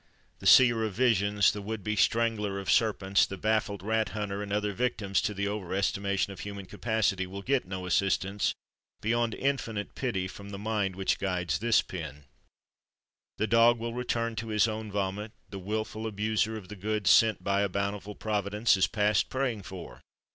The seer of visions, the would be strangler of serpents, the baffled rat hunter, and other victims to the over estimation of human capacity will get no assistance, beyond infinite pity, from the mind which guides this pen. The dog will return to his own vomit; the wilful abuser of the goods sent by a bountiful Providence is past praying for.